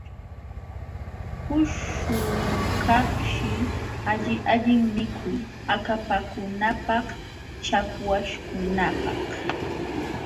Kushurukaqshi alli allin mikuy akapakunapaq chakwaśhkunapaq.